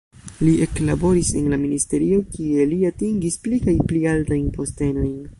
Li eklaboris en la ministerio, kie li atingis pli kaj pli altajn postenojn.